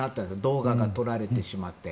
動画が撮られてしまって。